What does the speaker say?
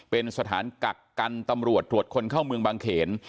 เป็นสถานกักกันตำรวจตรวจคนเข้าเมืองบางเขน